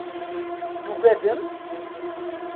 Tugademt?